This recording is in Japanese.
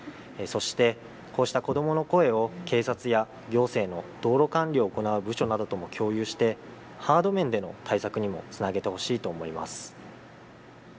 そして、こうした子どもの声を警察や行政の道路管理を行う部署などとも共有してハード面での対策にもつなげてほしいと思います。